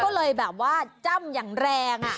ก็เลยจ้ำอย่างแรง